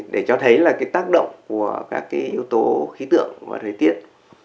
để cho thấy là cái tác động của các cái yếu tố khí tượng và thời tiết